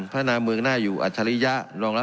พรรณาเมืองหน้าอยู่อัธริยะ